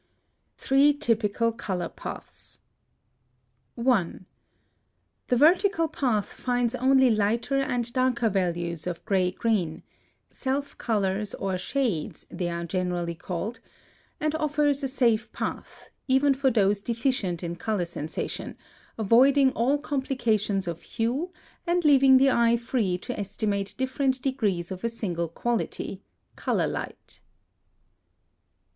+Three typical color paths.+ [Illustration: Fig. 25.] (159) 1. The vertical path finds only lighter and darker values of gray green, "self colors or shades," they are generally called, and offers a safe path, even for those deficient in color sensation, avoiding all complications of hue, and leaving the eye free to estimate different degrees of a single quality, color light.